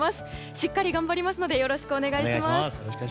しっかり頑張りますのでよろしくお願いします。